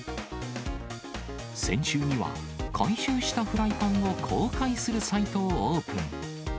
先週には、回収したフライパンを公開するサイトをオープン。